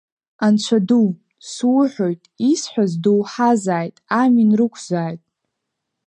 Анцәа ду суҳәоит, исҳәаз доуҳазааит, амин рықәзааит!